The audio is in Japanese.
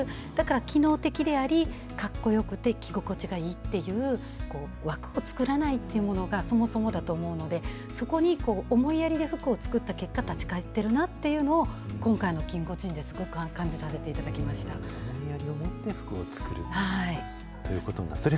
だから機能的であり、かっこよくて着心地がいいっていう枠を作らないっていうものがそもそもだと思うので、そこに思いやりで服を作った結果、立ち返ってるなっていうのを、今回のキンゴジンで、思いやりを持って服を作るということなんですね。